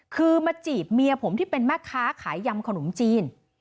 คือมาจีบเมียผมที่เป็นแม่ค้าขายยำขนมจีน